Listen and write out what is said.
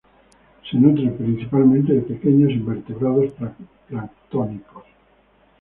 Se nutre principalmente de pequeños invertebrados planctónicos.